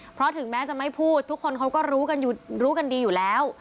เพราะถึงแม้จะไม่พูดทุกคนเขาก็รู้กันรู้กันดีอยู่แล้ว